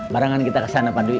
barangan kita kesana pak dwi